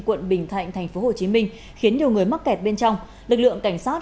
quận bình thạnh tp hcm khiến nhiều người mắc kẹt bên trong lực lượng cảnh sát